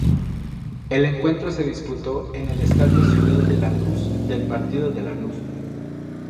El encuentro se disputó en el Estadio Ciudad de Lanús del Partido de Lanús.